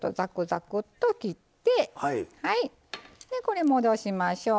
でこれ戻しましょう。